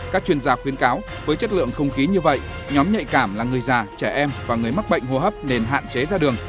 các chuyên gia khuyên cáo với chất lượng không khí như vậy nhóm nhạy cảm là người già trẻ em và người mắc bệnh hô hấp nên hạn chế ra đường